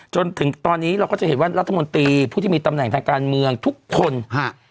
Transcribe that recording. จนถึงตอนนี้เราก็จะเห็นว่ารัฐมนตรีผู้ที่มีตำแหน่งทางการเมืองทุกคนฮะ